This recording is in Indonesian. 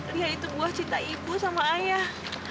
dia itu buah cinta ibu sama ayah